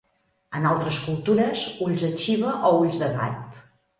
En altres cultures: ulls de Xiva o ulls de gat.